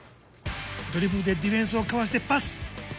ドリブルでディフェンスをかわしてパス。